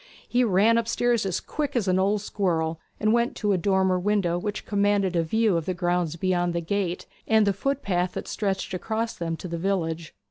He ran upstairs as quick as an old squirrel, and went to a dormer window which commanded a view of the grounds beyond the gate, and the footpath that stretched across them to the village.